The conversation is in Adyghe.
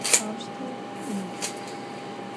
Auşteu vumı'u!